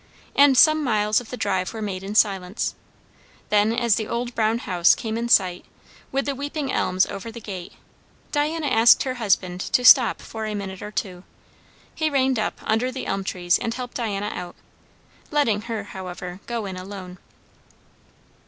And some miles of the drive were made in silence. Then as the old brown house came in sight, with the weeping elms over the gate, Diana asked her husband to stop for a minute or two. He reined up under the elm trees and helped Diana out, letting her, however, go in alone.